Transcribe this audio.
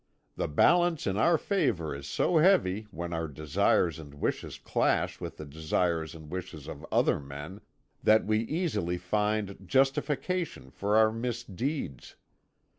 The balance in our favour is so heavy when our desires and wishes clash with the desires and wishes of other men, that we easily find justification for our misdeeds.